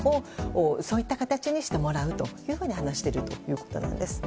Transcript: そういった形にしてもらうと話しているということです。